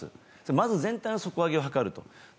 まず全体の底上げを図ると。